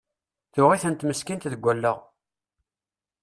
Tuɣ-itent meskint deg allaɣ!